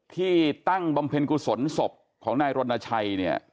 ที่ตั้งบำเพ็ญกุศลศพของนายรณชัยเนี่ย